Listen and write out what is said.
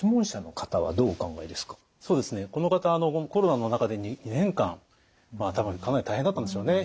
この方コロナの中で２年間多分かなり大変だったんでしょうね。